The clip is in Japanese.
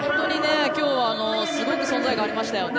今日はすごく存在感がありましたよね。